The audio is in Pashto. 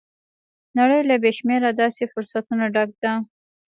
نړۍ له بې شمېره داسې فرصتونو ډکه ده.